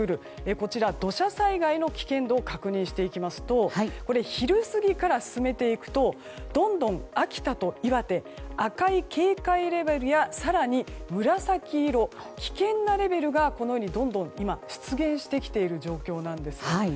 こちらで土砂災害の危険度を確認していきますと昼過ぎから進めていくとどんどん秋田と岩手赤い警戒レベルや更に紫色危険なレベルが、このようにどんどん今、出現してきている状況なんです。